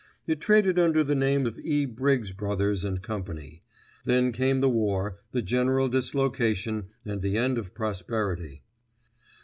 It traded under the name of E. Briggs Brothers and Company. Then came the war, the general dislocation and the end of prosperity.